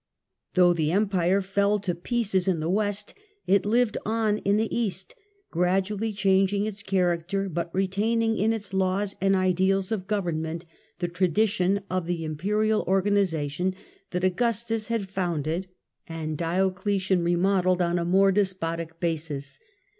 Though the Empire fell to pieces in the west it lived on in the east, gradu ally changing its character, but retaining in its laws and ideals of government the traditions of the Imperial organisation that Augustus had founded and Diocletian 1 THE DAWN OF MEDIEVAL EUROPE remodelled on a more despotic basis.